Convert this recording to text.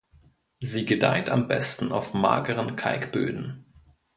Sie gedeiht am besten auf mageren Kalkböden.